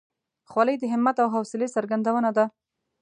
خولۍ د همت او حوصلې څرګندونه ده.